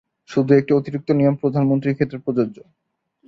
শুধু একটি অতিরিক্ত নিয়ম প্রধানমন্ত্রীর ক্ষেত্রে প্রযোজ্য।